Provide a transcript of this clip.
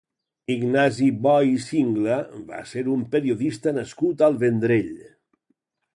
Ignasi Bo i Singla va ser un periodista nascut al Vendrell.